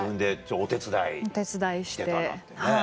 お手伝いしてはい。